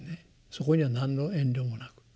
そこには何の遠慮もなく。